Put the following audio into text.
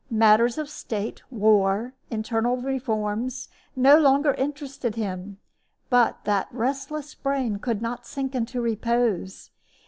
Matters of state, war, internal reforms, no longer interested him; but that restless brain could not sink into repose.